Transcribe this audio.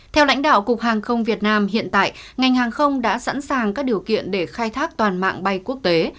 theo lãnh đạo cục hàng không việt nam hiện tại ngành hàng không đã sẵn sàng các điều kiện để khai thác toàn mạng bay quốc tế